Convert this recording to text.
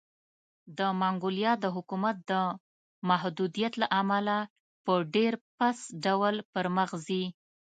د منګولیا د حکومت د محدودیت له امله په ډېرپڅ ډول پرمخ ځي.